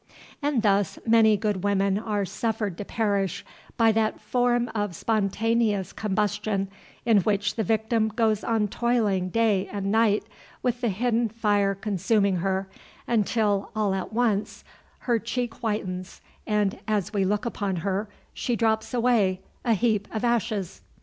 And thus many good women are suffered to perish by that form of spontaneous combustion in which the victim goes on toiling day and night with the hidden fire consuming her, until all at once her cheek whitens, and, as we look upon her, she drops away, a heap of ashes.